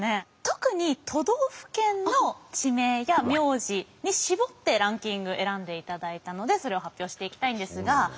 特に都道府県の地名や名字に絞ってランキング選んでいただいたのでそれを発表していきたいんですが。